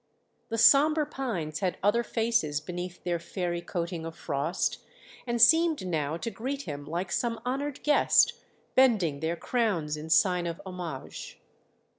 The sombre pines had other faces beneath their fairy coating of frost, and seemed now to greet him like some honoured guest, bending their crowns in sign of homage.